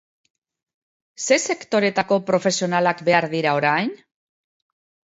Ze sektoretako profesionalak behar dira orain?